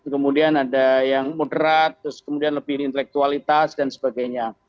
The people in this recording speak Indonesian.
kemudian ada yang moderat terus kemudian lebih intelektualitas dan sebagainya